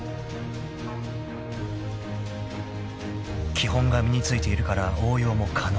［基本が身に付いているから応用も可能］